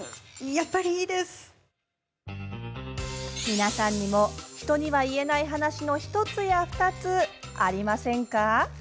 皆さんにも人には言えない話の１つや２つ、ありませんか？